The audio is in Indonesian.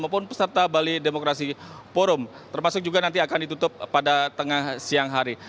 maupun peserta bali demokrasi forum termasuk juga nanti akan ditutup pada tengah siang hari